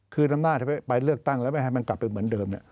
คือนำหน้าจะไปเลือกตั้งแล้วไม่ให้มันกลับไปเหมือนเดิม